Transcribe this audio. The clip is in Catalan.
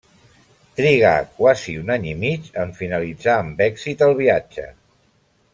Trigà quasi un any i mig en finalitzar amb èxit el viatge.